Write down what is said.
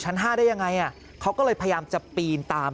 ๕ได้ยังไงเขาก็เลยพยายามจะปีนตาม